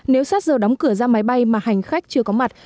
nếu sát giờ đóng cửa ra máy bay mà hành khách chưa có mặt